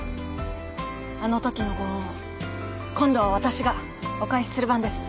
あの時のご恩を今度は私がお返しする番です。